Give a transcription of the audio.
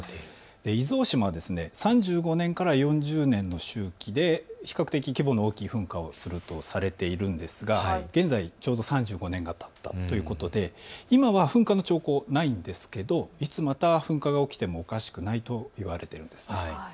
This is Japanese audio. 伊豆大島は３５年から４０年の周期で比較的規模の大きい噴火をするとされているんですが現在、ちょうど３５年がたったということで今は噴火の兆候はないんですけれどもいつまた噴火が起きてもおかしくないと言われているんです。